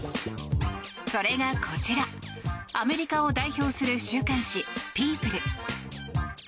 それがこちらアメリカを代表する週刊誌「Ｐｅｏｐｌｅ」。